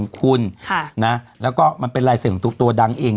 ของคุณค่ะนะแล้วก็มันเป็นรายเสริฐของตัวตัวดังเอง